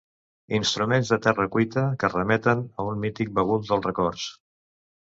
Instruments de terra cuita que remeten a un mític bagul dels records.